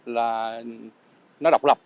là nó độc lập